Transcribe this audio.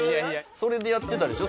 それでやってたでしょ？